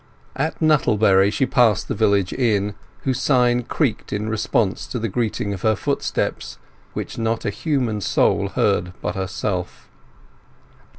At Nuttlebury she passed the village inn, whose sign creaked in response to the greeting of her footsteps, which not a human soul heard but herself.